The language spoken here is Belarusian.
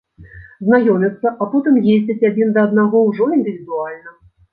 Знаёмяцца, а потым ездзяць адзін да аднаго ўжо індывідуальна.